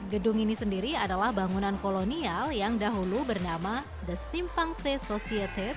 gedung ini sendiri adalah bangunan kolonial yang dahulu bernama the simpang stay society